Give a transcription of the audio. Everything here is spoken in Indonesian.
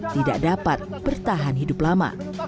tidak dapat bertahan hidup lama